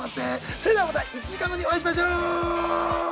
それではまた１時間後にお会いしましょう。